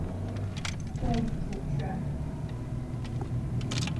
中华人民共和国及中华民国重申对南通礁拥有主权。